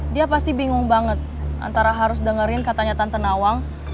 dia pasti bingung banget antara harus dengerin katanya tante nawang